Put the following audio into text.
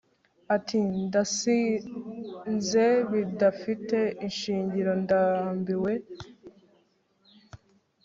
Ati Ndasinzebidafite ishingiro ndambiwe